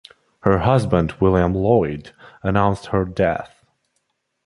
Her husband William Loyd announced her death.